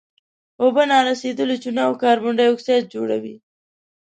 اوبه نارسیدلې چونه او کاربن ډای اکسایډ جوړیږي.